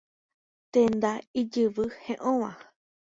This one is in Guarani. Tenda ijyvy he'õva.